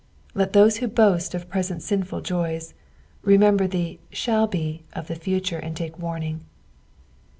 Let those who boast of present sinfnl joys, remember the thail be of the future and take warning.